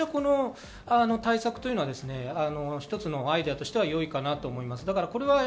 この対策は一つのアイデアとしては良いかなと思います。